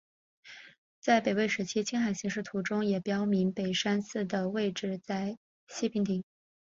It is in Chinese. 在北魏时期青海形势图中也标明北山寺的位置在西平亭。